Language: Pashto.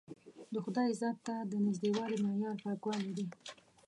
د خدای ذات ته د نژدېوالي معیار پاکوالی دی.